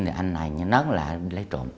thì anh này nhớ là lấy trộm